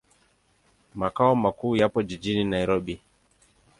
Makao makuu yapo jijini Nairobi.